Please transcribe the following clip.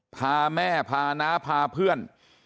พาแม่พาน้าพาเพื่อน